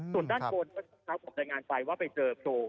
ส่วนด้านบนครับผมได้งานไปว่าไปเจอโปร